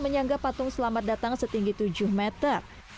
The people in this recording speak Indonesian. yang kepatung selamat datang setinggi tujuh meter